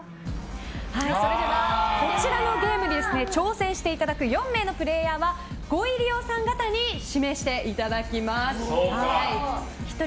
それではこちらのゲームに挑戦していただく４名のプレーヤーはご入り用さん方に指名していただきます。